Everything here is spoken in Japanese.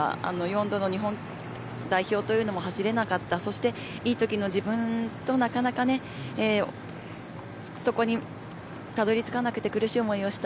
４度の日本代表も走れなかったそしていいときの自分となかなかそこに辿り着かなくて苦しい思いをした。